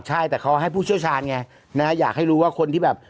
ใช่แต่เขาให้ผู้เชี่ยวชาญไงนะฮะอยากให้รู้ว่าคนที่แบบ